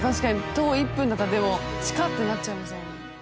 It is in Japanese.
徒歩１分だったらでも「近っ！」ってなっちゃいますもんね。